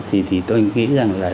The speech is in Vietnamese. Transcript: thì tôi nghĩ rằng là